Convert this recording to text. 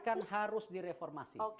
karena kelistrikan harus direformasi